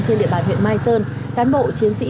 trên địa bàn huyện mai sơn cán bộ chiến sĩ